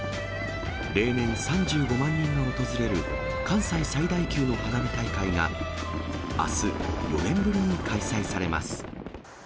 例年、３５万人が訪れる関西最大級の花火大会があす、４年ぶりに開催されます。